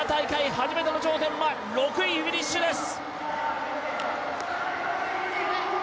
初めての頂点は６位フィニッシュです！